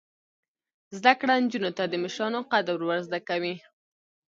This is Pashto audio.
زده کړه نجونو ته د مشرانو قدر ور زده کوي.